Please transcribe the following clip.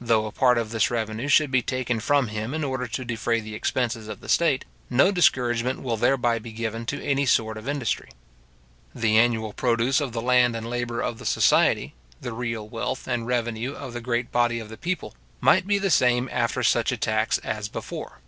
Though a part of this revenue should be taken from him in order to defray the expenses of the state, no discouragement will thereby be given to any sort of industry. The annual produce of the land and labour of the society, the real wealth and revenue of the great body of the people, might be the same after such a tax as before.